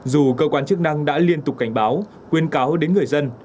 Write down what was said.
dù cơ quan chức năng đã liên tục cảnh báo khuyên cáo đến người dân